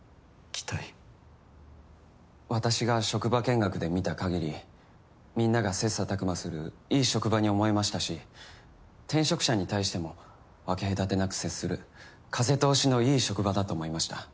私が職場見学で見た限りみんなが切磋琢磨するいい職場に思えましたし転職者に対しても分け隔てなく接する風通しのいい職場だと思いました。